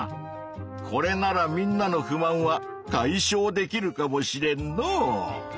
これならみんなの不満は解消できるかもしれんのう。